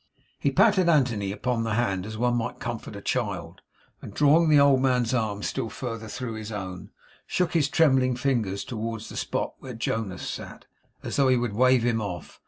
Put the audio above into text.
He patted Anthony upon the hand as one might comfort a child, and drawing the old man's arm still further through his own, shook his trembling fingers towards the spot where Jonas sat, as though he would wave him off.